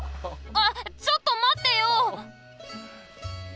あっちょっとまってよ！